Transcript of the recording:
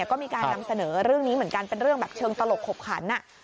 ก็มีการนำเสนอเรื่องนี้เหมือนกันเป็นเรื่องแบบเชิงตลกขบขัน